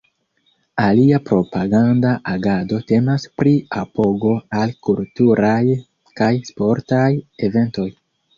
Alia propaganda agado temas pri apogo al kulturaj kaj sportaj eventoj.